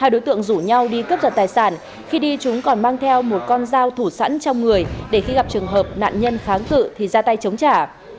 hai đối tượng rủ nhau đi cướp giật tài sản khi đi chúng còn mang theo một con dao thủ sẵn trong người để khi gặp trường hợp nạn nhân kháng cự thì ra tay chống trả